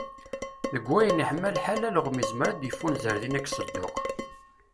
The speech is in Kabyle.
Deg wayen i yeḥma lḥal, alɣem izmer ad d-ifunzer dinna deg Sedduq.